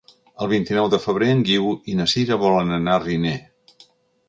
El vint-i-nou de febrer en Guiu i na Sira volen anar a Riner.